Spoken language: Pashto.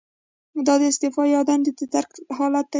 دا د استعفا یا دندې د ترک حالت دی.